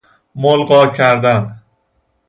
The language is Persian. ملغی کردن